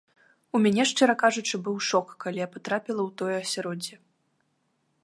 У мяне, шчыра кажучы, быў шок, калі я патрапіла ў тое асяроддзе.